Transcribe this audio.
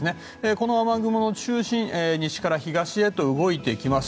この雨雲の中心西から東へと動いていきます。